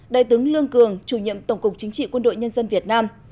đại tướng lương cường chủ nhiệm tổng cục chính trị quân đội nhân dân việt nam